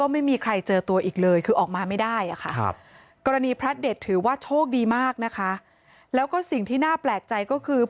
สำคัญไม่เห็นวันพันธุ์